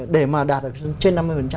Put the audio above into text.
để mà đạt được trên năm mươi